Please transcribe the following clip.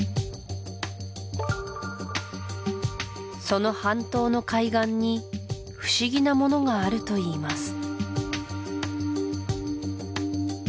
その半島の海岸に不思議なものがあるといいます